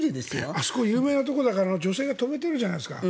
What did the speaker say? あそこは有名なところだから女性が止めているじゃないですか。